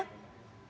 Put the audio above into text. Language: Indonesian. terkait bukti betul